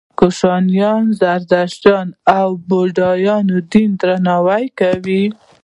کوشانیانو د زردشتي او بودايي دین درناوی کاوه